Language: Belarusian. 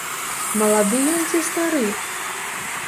Малады ён ці стары?